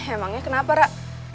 emangnya kenapa ra